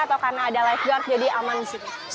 atau karena ada lifeguard jadi aman di sini